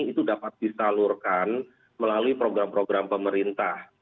itu dapat disalurkan melalui program program pemerintah